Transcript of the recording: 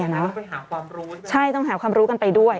ต้องไปหาความรู้ไปด้วย